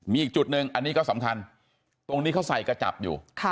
มีอีกจุดหนึ่งอันนี้ก็สำคัญตรงนี้เขาใส่กระจับอยู่